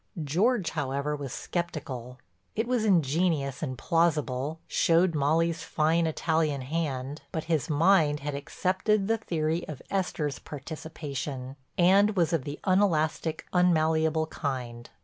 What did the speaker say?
George, however, was skeptical—it was ingenious and plausible, showed Molly's fine Italian hand; but his mind had accepted the theory of Esther's participation and was of the unelastic, unmalleable kind.